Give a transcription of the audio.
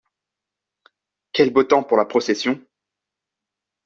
Quel beau temps pour la procession!